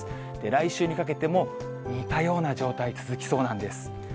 来週にかけても、似たような状態、続きそうなんです。